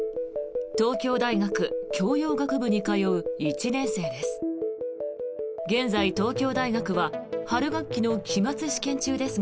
東京大学教養学部に通う１年生です。